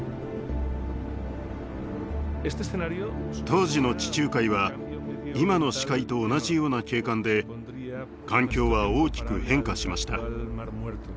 当時の地中海は今の死海と同じような景観で環境は大きく変化しました。